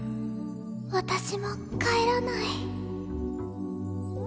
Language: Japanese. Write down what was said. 私も帰らない。